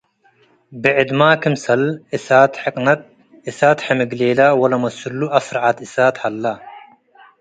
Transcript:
ብዕድመ ክምሰል፡ “እሳት ሕቅነት”፡ “እሳት ሕምግሌለ” ወለመስሉ አስረዓት እሳት ሀለ ።